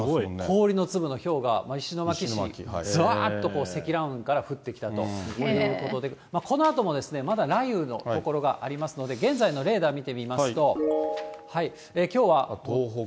氷の粒のひょうが石巻市、ざーっとこう、積乱雲から降ってきたということで、このあともまだ雷雨の所がありますので、現在のレーダー見てみますと、きょうは。